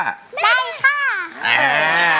อันนี้ต้องชื่นชมเลย